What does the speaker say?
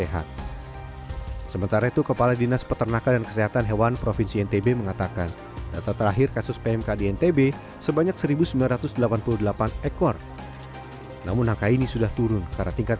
kementerian pertanian dan kesehatan hewan dirjen nasurulok bersama rombongan masuk dan mengembangkan